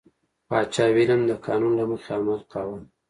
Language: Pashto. پاچا ویلیم د قانون له مخې عمل کاوه.